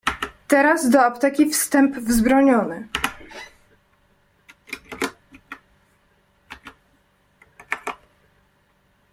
"Teraz do apteki wstęp wzbroniony."